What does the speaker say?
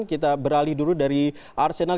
kita beralih dulu dari arsenal